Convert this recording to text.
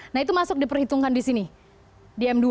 nah itu masuk diperhitungkan di sini di m dua